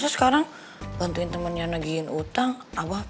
masa sekarang bantuin temennya nagiin utang abah pulang